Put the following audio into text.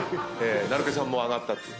成毛さんも上がったっていう。